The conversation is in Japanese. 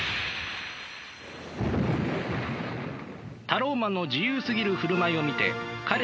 タローマンの自由すぎる振る舞いを見て彼らは思った。